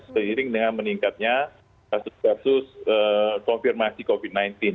seiring dengan meningkatnya kasus kasus konfirmasi covid sembilan belas